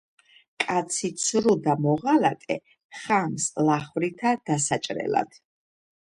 კაცი ცრუ და მოღალატე ხამს ლახვრითა დასაჭრელად